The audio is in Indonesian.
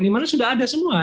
di mana sudah ada semua